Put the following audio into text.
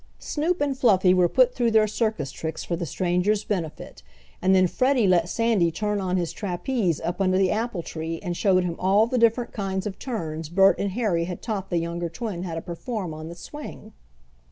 Snoop and Fluffy were put through their circus tricks for the stranger's benefit, and then Freddie let Sandy turn on his trapeze up under the apple tree and showed him all the different kinds of turns Bert and Harry had taught the younger twin how to perform on the swing.